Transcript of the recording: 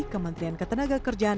kementerian ketenaga kerjaan